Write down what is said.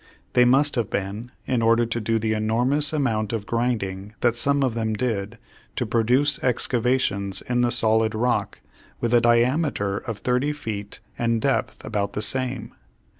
They must have been, in order to do the enormous amount of grinding that some of them did to produce excavations in the solid rock with a diameter of thirty feet and a depth about the same.